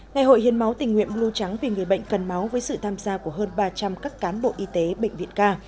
ngày hội hiến máu tình nguyện blue trắng vì người bệnh cần máu với sự tham gia của hơn ba trăm linh các cán bộ y tế bệnh viện ca